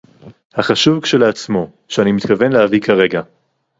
החשוב כשלעצמו, שאני מתכוון להביא כרגע